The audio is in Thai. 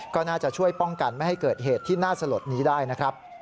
ก็น่าจะช่วยป้องกันไม่ให้เกิดเหตุที่น่าสลดนี้ได้นะครับ